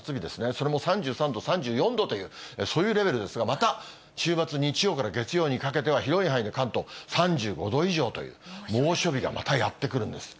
それも３３度、３４度という、そういうレベルですが、また週末、日曜から月曜にかけては広い範囲で関東、３５度以上という猛暑日がまたやって来るんです。